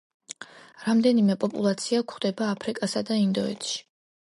რამდენიმე პოპულაცია გვხვდება აფრიკასა და ინდოეთში.